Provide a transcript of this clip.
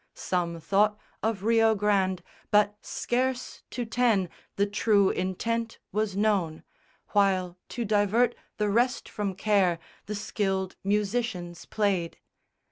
Some thought of Rio Grande; but scarce to ten The true intent was known; while to divert The rest from care the skilled musicians played.